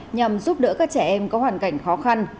nhằm giúp đỡ các trẻ em có hoàn cảnh khó khăn